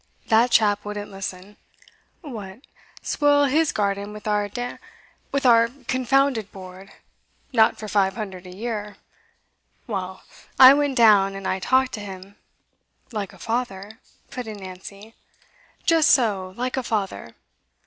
That chap wouldn't listen. What! spoil his garden with our da with our confounded board! not for five hundred a year! Well, I went down, and I talked to him ' 'Like a father,' put in Nancy. 'Just so, like a father.